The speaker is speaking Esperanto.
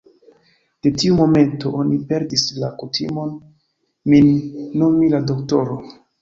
De tiu momento, oni perdis la kutimon, min nomi la doktoro.